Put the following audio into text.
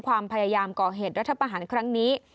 ความพยายามก่อเหตุรัฐประหารครั้งนี้